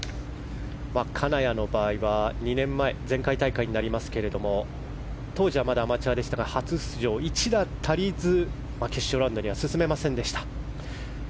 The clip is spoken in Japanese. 金谷の場合は２年前、前回大会ですが当時はまだアマチュアでしたが初出場１打足りず、決勝ラウンドには進めませんでした。